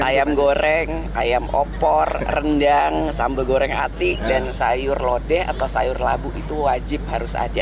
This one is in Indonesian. ayam goreng ayam opor rendang sambal goreng ati dan sayur lodeh atau sayur labu itu wajib harus ada